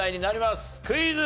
クイズ。